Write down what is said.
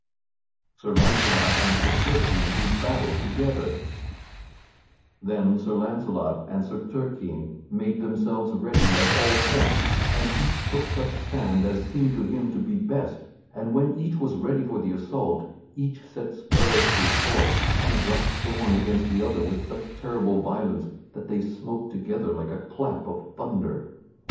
[Sidenote: Sir Launcelot and Sir Turquine do battle together] Then Sir Launcelot and Sir Turquine made themselves ready at all points, and each took such stand as seemed to him to be best; and when each was ready for the assault, each set spurs to his horse and rushed the one against the other with such terrible violence that they smote together like a clap of thunder.